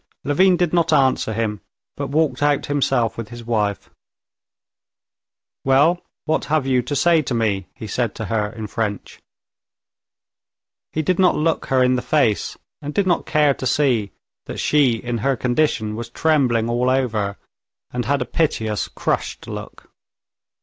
Levin did not answer him, but walked out himself with his wife. "Well, what have you to say to me?" he said to her in French. He did not look her in the face, and did not care to see that she in her condition was trembling all over, and had a piteous, crushed look.